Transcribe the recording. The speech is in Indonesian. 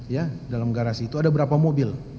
ya dalam garasi itu ada berapa mobil